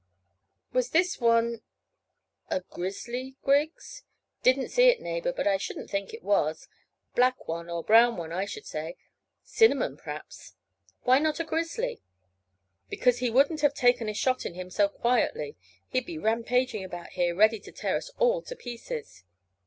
What was this one a grizzly, Griggs?" "Didn't see it, neighbour, but I shouldn't think it was. Black one or brown one, I should say. Cinnamon, p'r'aps." "Why not a grizzly?" "Because he wouldn't have taken a shot in him so quietly. He'd be rampaging about here ready to tear us all to pieces."